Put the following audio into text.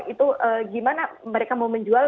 itu gimana mereka mau menjual